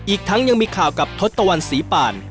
อีกทั้งยังมีข่าวกับทศตวรรษีป่าน